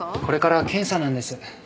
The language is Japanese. これから検査なんです。